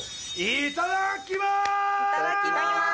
いただきます。